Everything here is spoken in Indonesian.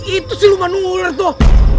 itu siluman ular tuh